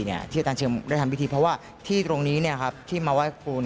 อาจารย์เชิงได้ทำพิธีเพราะว่าที่ตรงนี้ที่มาไหว้ครู